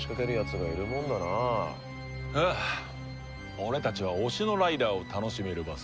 俺たちは推しのライダーを楽しめればそれでいい。